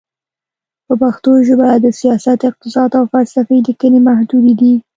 په پښتو ژبه د سیاست، اقتصاد، او فلسفې لیکنې محدودې دي.